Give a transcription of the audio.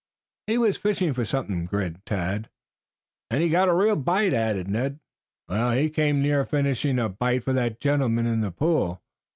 "He was fishing for something," grinned Tad. "And he got a real bite," added Ned. "He came near furnishing a bite for that gentleman in the pool.